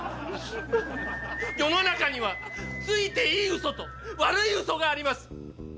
世の中にはついていいうそと悪いうそがあります。